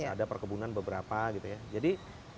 ada perkebunan beberapa gitu ya jadi